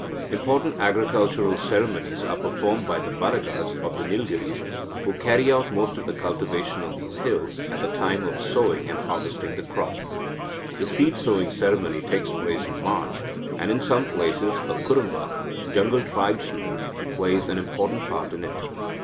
Important agricultural ceremonies are performed by the Badagas of the Nilgiris, who carry out most of the cultivation on these hills, at the time of sowing and harvesting the crop. The seed sowing ceremony takes place in March, and, in some places, a Kurumba (jungle tribesman) plays an important part in it.